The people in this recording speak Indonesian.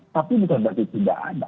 tapi bukan berarti tidak ada